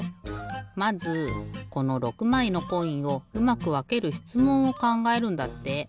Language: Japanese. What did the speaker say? まずこの６まいのコインをうまくわけるしつもんをかんがえるんだって。